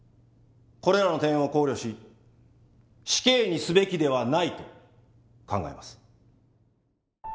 これらの点を考慮し死刑にすべきではないと考えます。